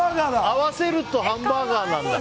合わせるとハンバーガーなんだ。